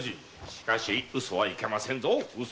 しかしウソはいけませんぞ。